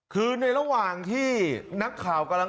คือในระหว่างที่นักข่าวกำลัง